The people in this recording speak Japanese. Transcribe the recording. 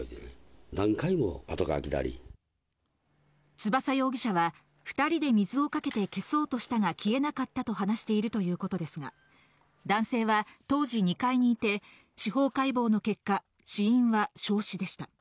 翼容疑者は、２人で水をかけて消そうとしたが消えなかったと話しているということですが、男性は当時、２階にいて、司法解剖の結果、死因は焼死でした。